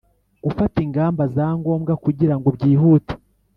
Gufata ingamba za ngombwa kugira ngo byihute